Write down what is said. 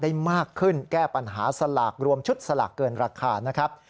ได้มากขึ้นแก้ปัญหาสลากรวมชุดสลากเกินราคานะครับ